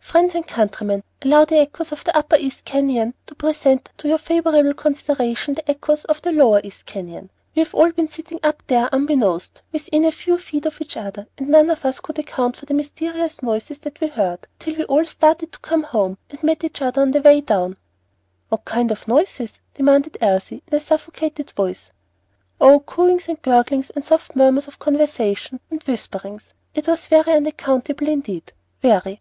Friends and countrymen, allow the echoes of the Upper East Canyon to present to your favorable consideration the echoes of the Lower East Canyon. We've all been sitting up there, 'unbeknownst,' within a few feet of each other, and none of us could account for the mysterious noises that we heard, till we all started to come home, and met each other on the way down." "What kind of noises?" demanded Elsie, in a suffocated voice. "Oh, cooings and gurglings and soft murmurs of conversation and whisperings. It was very unaccountable indeed, very!"